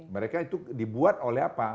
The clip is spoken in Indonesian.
mereka itu dibuat oleh apa